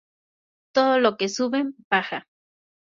Todo lo que sube, baja